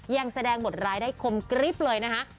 ยังแสดงบทรายได้คมกริ๊บเลยนะคะ